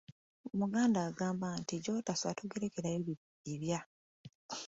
"Omuganda agamba nti, “Gy’otosula togerekerayo bibya”."